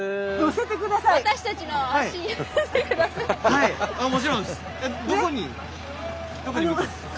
はいもちろんです。